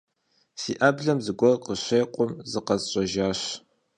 Си Ӏэблэм зыгуэр къыщекъум, зыкъэсщӀэжащ.